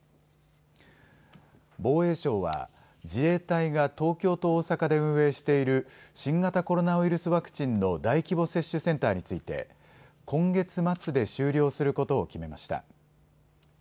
防衛省は、自衛隊が東京と大阪で運営している、新型コロナウイルスワクチンの大規模接種センターについて、今月末で終了することを決めました。